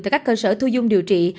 tại các cơ sở thu dung điều trị